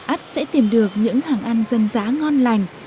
ắt sẽ tìm được những hàng ăn dân dã ngon lành